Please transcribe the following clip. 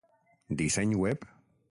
Disseny web: